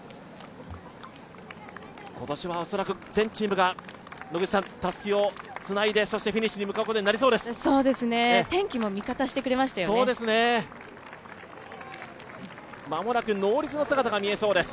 今年は恐らく全チームがたすきをつないで、そしてフィニッシュを迎えることになりそうです。